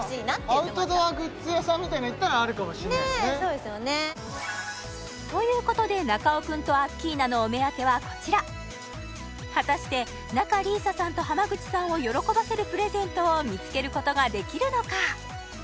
アウトドアグッズ屋さんみたいの行ったらあるかもしれないですねということで中尾君とアッキーナのお目当てはこちら果たして仲里依紗さんと濱口さんを喜ばせるプレゼントを見つけることができるのか？